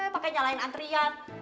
pake nyalain antrian